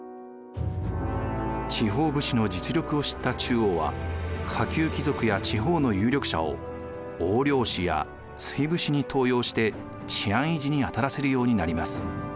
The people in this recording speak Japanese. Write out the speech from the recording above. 地方武士の実力を知った中央は下級貴族や地方の有力者を押領使や追捕使に登用して治安維持に当たらせるようになります。